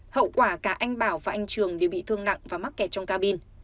hậu quả cả anh bảo và anh trường đều bị thương nặng và mắc kẹt trong ca bin